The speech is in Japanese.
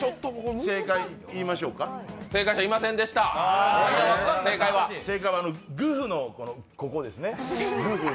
正解、言いましょうか正解は、グフのここですね。